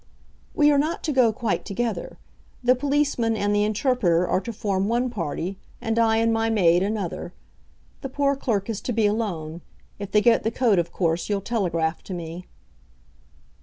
"We are not to go quite together. The policeman and the interpreter are to form one party, and I and my maid another. The poor clerk is to be alone. If they get the coat, of course you'll telegraph to me."